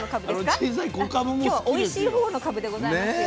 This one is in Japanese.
今日はおいしいほうのかぶでございますよ。